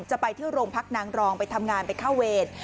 จะไปที่โรงพักนางรองไปทำงานไปเข้าเวร